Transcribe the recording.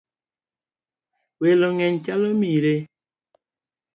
Welo ng'eny chalo mire.